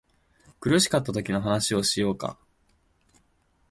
苦しかったときの話をしようか